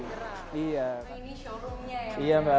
pak indra ini showroomnya ya pak